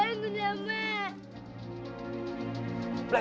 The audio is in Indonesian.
bangun ya mama